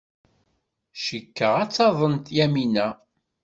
Cikkeɣ ad taḍen Yamina.